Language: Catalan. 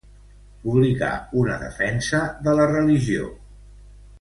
Publicar una defensa de la religió.